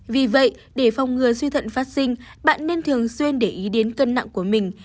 vì vậy để phòng ngừa suy thận phát sinh bạn nên thường xuyên để ý đến cân nặng của mình